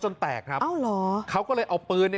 จนแตกครับเขาก็เลยเอาปืน